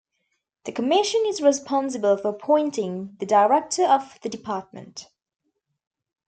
The Commission is responsible for appointing the director of the department.